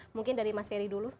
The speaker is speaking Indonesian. mungkin dari mas ferry dulu